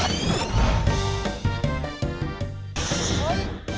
อื่นเฮ้ย